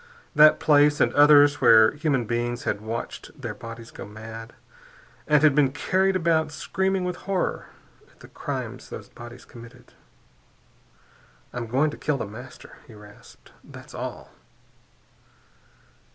That place and others where human beings had watched their bodies go mad, and had been carried about screaming with horror at the crimes those bodies committed.... "I'm going to kill The Master," he rasped. "That's all."